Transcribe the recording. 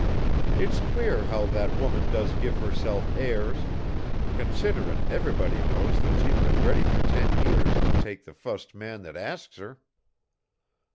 "It's queer how that woman does give herself airs, considerin' everybody knows she's been ready for ten years to take the fust man that asks her."